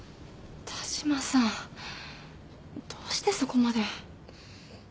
田嶋さんどうしてそこまで。